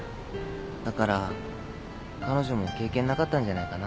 だから彼女も経験なかったんじゃないかな。